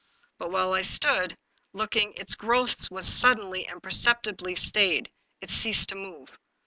But while I stood looking its growth was suddenly and perceptibly stayed; it ceased to move.